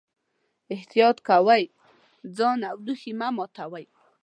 احتیاط کوئ، ځان او لوښي مه ماتوئ.